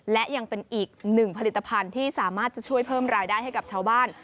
และยังเป็นอีกหนึ่งผลิตภัณฑ์ที่สามารถจะช่วยเพิ่มรายได้ให้กับชาวบ้าน